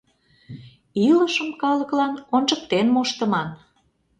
Илышым калыклан ончыктен моштыман.